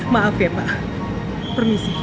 maaf ya pak permisi